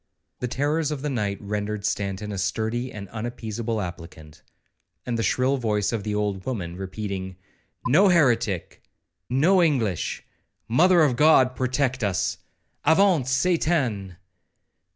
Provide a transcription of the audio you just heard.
The terrors of the night rendered Stanton a sturdy and unappeasable applicant; and the shrill voice of the old woman, repeating, 'no heretic—no English—Mother of God protect us—avaunt Satan!'